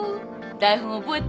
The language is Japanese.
台本覚えた？